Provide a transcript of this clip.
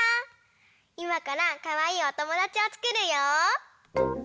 いまからかわいいおともだちをつくるよ。